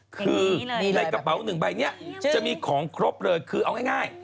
คือในกระเป๋าหนึ่งใบนี้จะมีของครบเลยคือเอาง่าย